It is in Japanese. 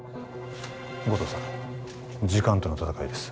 護道さん時間との戦いです